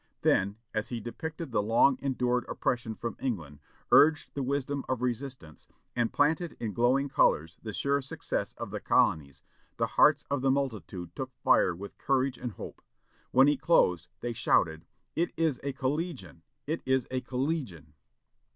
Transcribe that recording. Then, as he depicted the long endured oppression from England, urged the wisdom of resistance, and painted in glowing colors the sure success of the colonies, the hearts of the multitude took fire with courage and hope. When he closed, they shouted, "It is a collegian! it is a collegian!"